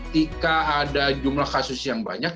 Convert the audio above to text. jika ada jumlah kasus yang banyak